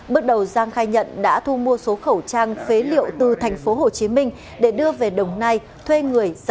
bước đầu giang khai nhận đã thu mua số khẩu trang phế liệu từ tp hcm để đưa về đồng nai thuê người